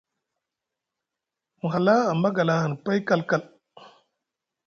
Ku hala a magala ahani pay kalkal.